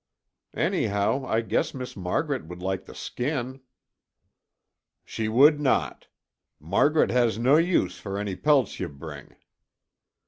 "Anyhow, I guess Miss Margaret would like the skin." "She would not. Margaret has nae use for ony pelts ye bring."